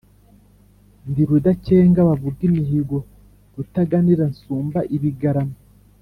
ndi rudakenga bavuga imihigo, rutaganira nsumba ibigarama,